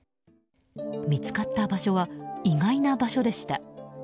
見つかった場所は意外な場所でした。